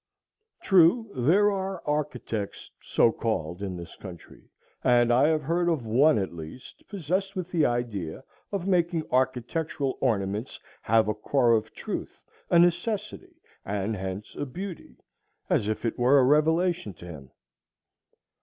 True, there are architects so called in this country, and I have heard of one at least possessed with the idea of making architectural ornaments have a core of truth, a necessity, and hence a beauty, as if it were a revelation to him.